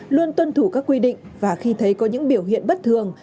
luôn tuân thủ các quy định và khi thấy có những biểu hiện bất thường